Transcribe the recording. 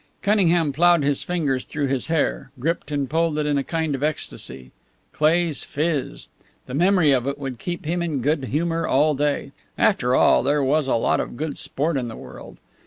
Cunningham plowed his fingers through his hair, gripped and pulled it in a kind of ecstasy. Cleigh's phiz. The memory of it would keep him in good humour all day. After all, there was a lot of good sport in the world.